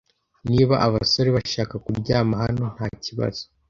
Niba abasore bashaka kuryama hano, ntakibazo.